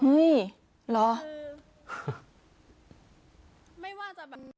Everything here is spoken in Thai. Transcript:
นี่เหรอ